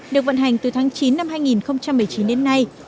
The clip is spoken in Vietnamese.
được vận hành từ tháng chín năm hai nghìn một mươi chín đến nay